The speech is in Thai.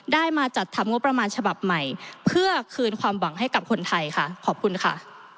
มาจัดทำงบประมาณฉบับใหม่เพื่อคืนความหวังให้กับคนไทยค่ะขอบคุณค่ะ